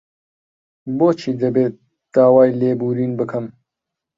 بۆچی دەبێت داوای لێبوورین بکەم؟